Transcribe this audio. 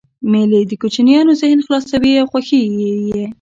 مېلې د کوچنيانو ذهن خلاصوي او خوښوي یې.